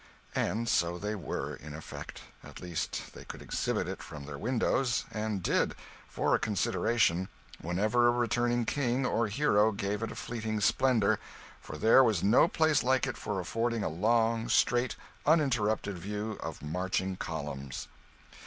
And so they were, in effect at least they could exhibit it from their windows, and did for a consideration whenever a returning king or hero gave it a fleeting splendour, for there was no place like it for affording a long, straight, uninterrupted view of marching columns.